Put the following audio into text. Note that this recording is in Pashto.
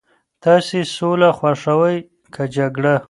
تاسي سوله خوښوئ که جګړه؟